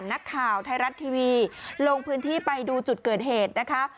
นักข่าวไทยรัฐทีวีลงพื้นที่ไปดูจุดเกิดเหตุนะคะ